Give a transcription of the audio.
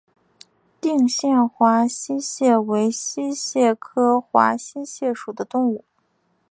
定县华溪蟹为溪蟹科华溪蟹属的动物。